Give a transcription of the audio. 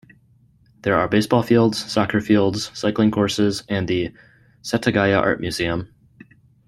There are baseball fields, soccer fields, cycling courses and the Setagaya Art Museum.